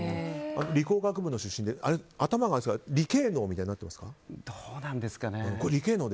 理工学部の出身で、頭が理系脳みたいになってるんですか。